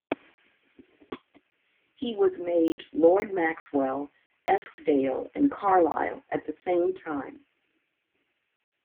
He was made Lord Maxwell, Eskdale and Carlyle at the same time.